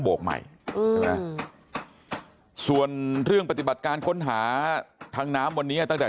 ใหม่ใช่ไหมส่วนเรื่องปฏิบัติการค้นหาทางน้ำวันนี้ตั้งแต่